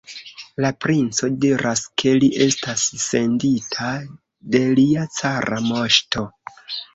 La princo diras, ke li estas sendita de lia cara moŝto!